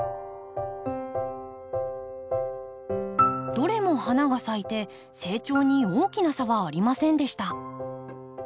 どれも花が咲いて成長に大きな差はありませんでした。